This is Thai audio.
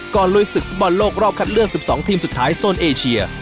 ลุยศึกฟุตบอลโลกรอบคัดเลือก๑๒ทีมสุดท้ายโซนเอเชีย